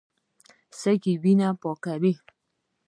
سږي وینه پاکوي.